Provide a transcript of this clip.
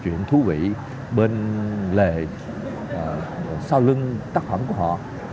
chuyện thú vị bên lề sau lưng tác phẩm của họ